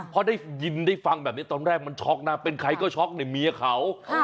พอได้ยินได้ฟังแบบนี้ตอนแรกมันช็อกนะเป็นใครก็ช็อกในเมียเขา